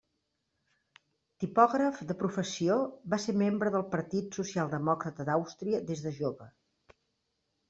Tipògraf de professió, va ser membre del Partit Socialdemòcrata d'Àustria des de jove.